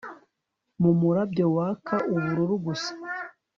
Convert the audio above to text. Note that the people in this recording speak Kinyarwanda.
Mumurabyo waka ubururu gusa